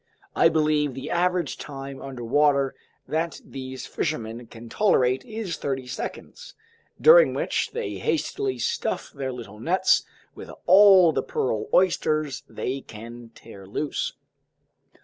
I believe the average time underwater that these fishermen can tolerate is thirty seconds, during which they hastily stuff their little nets with all the pearl oysters they can tear loose.